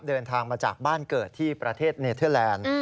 เดินทางมาจากบ้านเกิดที่ประเทศเนเทอร์แลนด์